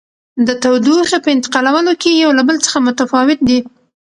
د تودوخې په انتقالولو کې یو له بل څخه متفاوت دي.